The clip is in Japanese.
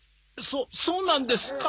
そそうなんですか？